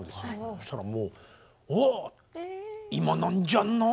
そしたらもう「おお今なんじゃない？」